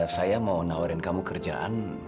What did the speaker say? saya mau nawarin kamu kerjaan